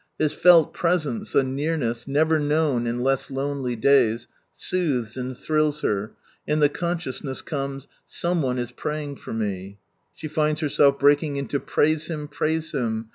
His felt presence, a nearness never known in less lonely days, soothes and thrills her, and the consciousness comes, " Some one is /raying /or me." She finds herself breaking into "Praise Him ! praise Him